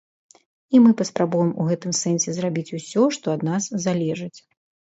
І мы паспрабуем у гэтым сэнсе зрабіць усё, што ад нас залежыць.